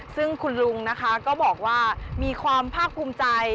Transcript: ซึ่งคุณลุงนะคะก็บอกว่ามีความภาคภูมิใจ